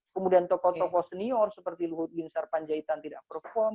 kemudian tokoh tokoh senior seperti luhut bin sarpanjaitan tidak perform